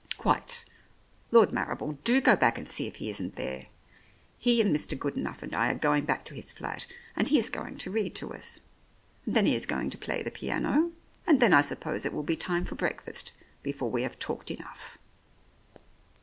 "Quite. Lord Marrible, do go back and see if he isn't there. He and Mr. Goodenough and I are going back to his flat, and he is going to read to us. And then he is going to play the piano and then I suppose it will be time for breakfast before we have talked enough."